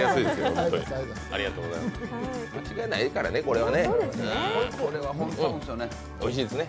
間違いないからね、これはね